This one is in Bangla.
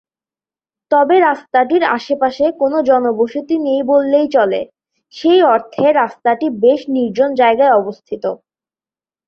তবে রাস্তাটির আশেপাশে কোন জনবসতি নেই বললেই চলে, সেই অর্থে রাস্তাটি বেশ নির্জন জায়গায় অবস্থিত।